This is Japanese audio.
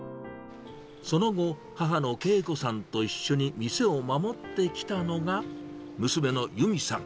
その後、母の敬子さんと一緒に店を守ってきたのが娘の由美さん。